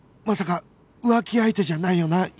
まさか浮気相手じゃないよな？